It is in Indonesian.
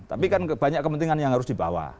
tapi kan banyak kepentingan yang harus dibawa